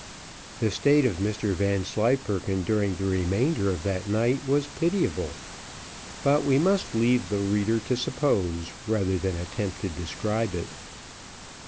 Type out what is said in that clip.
The state of Mr Vanslyperken during the remainder of that night was pitiable, but we must leave the reader to suppose, rather than attempt to describe it.